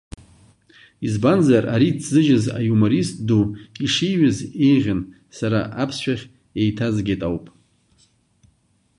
Избанзар, ари ҭзыжьыз аиуморист ду ишиҩыз еиӷьын, сара аԥсшәахь еиҭазгеит ауп.